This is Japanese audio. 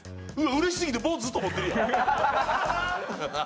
うれしいすぎて、棒ずっと持ってるやん。